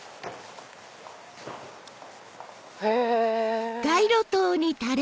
へぇ。